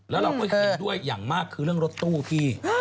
แล้วเราก็เห็นด้วยอย่างมากคือเรื่องรถตู้พี่